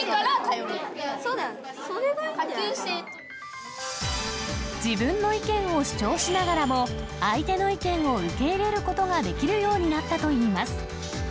そうだね、それがいいんじゃ自分の意見を主張しながらも、相手の意見を受け入れることができるようになったといいます。